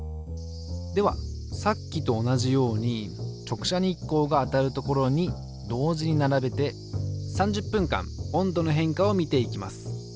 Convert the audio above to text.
ではさっきと同じように直射日光が当たる所に同時に並べて３０分間温度の変化を見ていきます。